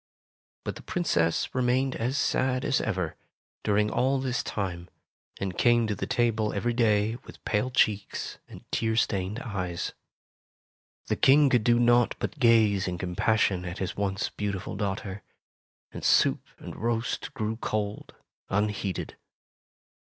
But the Princess remained as sad as ever, during all this time, and came to the table every day with pale cheeks and tear stained eyes. The King could do naught but gaze in compassion at his once beautiful daughter, and soup and roast grew cold, unheeded.